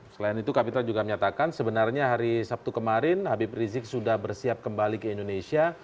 selain itu kapitra juga menyatakan sebenarnya hari sabtu kemarin habib rizik sudah bersiap kembali ke indonesia